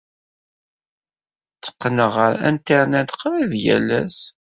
Tteqqneɣ ɣer Internet qrib yal ass.